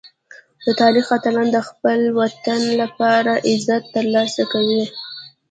د تاریخ اتلان د خپل وطن لپاره عزت ترلاسه کوي.